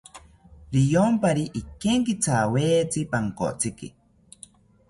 Riyompari ikenkithawetzi pankotziki